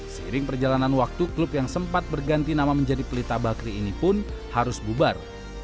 seiring perjalanan waktu klub yang sempat berganti nama menjadi pelita bakri ini pun harus bubar